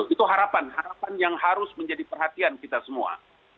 itu harapan harapan yang harus menjadi perhatian kita semua